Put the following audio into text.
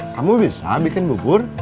kamu bisa bikin bubur